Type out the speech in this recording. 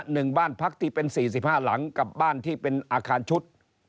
หนึ่งบ้านพักตีเป็น๔๕หลังกับบ้านที่เป็นอาคารชุด